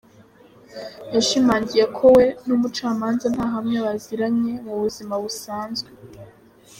Yashimangiye ko we n’umucamanza nta na hamwe baziranye mu buzima busanzwe.